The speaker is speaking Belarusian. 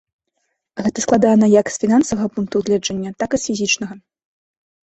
Гэта складана як з фінансавага пункту гледжання, так і з фізічнага.